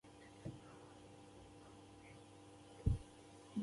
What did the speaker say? د ریلي کرښو، صنعت او سوداګرۍ پراخېدو سره شتمنۍ خاوندان شول.